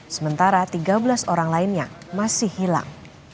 sementara tiga belas orang lainnya masih hilang